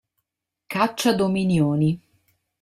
Caccia Dominioni